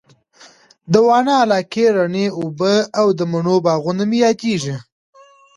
د واڼه علاقې رڼې اوبه او د مڼو باغونه مي ياديږي